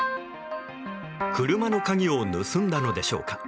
車の鍵を盗んだのでしょうか。